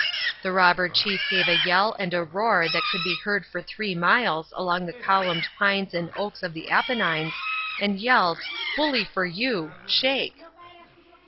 The Robber Chief gave a yell and a roar that could be heard for three miles among the columned pines and oaks of the Apennines, and yelled, "Bully for you! Shake!"